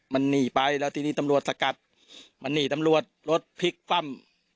มันหนีไปแล้วทีนี้ตำรวจสกัดมันหนีตำรวจรถพลิกคว่ำ